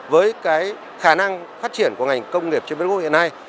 với cái khả năng phát triển của ngành công nghiệp chí biên gỗ hiện nay